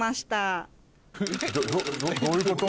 どどういうこと？